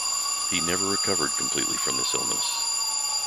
He never recovered completely from this illness.